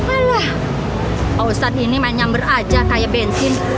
alah ustad ini main nyamber aja kayak bensin